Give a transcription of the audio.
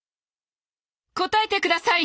答えてください！